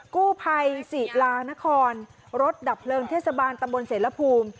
กู้ไพรสิลานครรถดับเปลิงเทศบาลตำบลเศรษฐพูม